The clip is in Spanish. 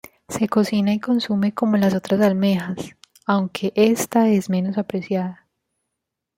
Se cocina y consume como las otras almejas, aunque esta es menos apreciada.